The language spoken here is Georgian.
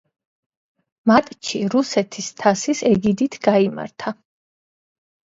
მატჩი რუსეთის თასის ეგიდით გაიმართა.